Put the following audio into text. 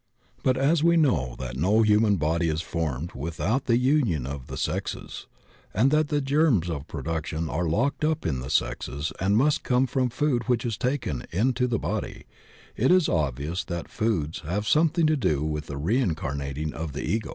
But as we know that no human body is formed without the union of the sexes, and that the germs of such production are locked up in the sexes and must come from food which is taken into the body, it is obvious that foods have something to do with the reincarnating of the Ego.